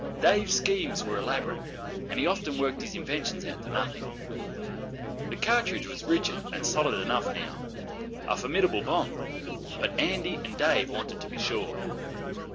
Dave's schemes were elaborate, and he often worked his inventions out to nothing. The cartridge was rigid and solid enough now a formidable bomb; but Andy and Dave wanted to be sure.